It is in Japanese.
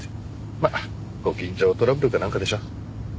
まあご近所トラブルかなんかでしょ。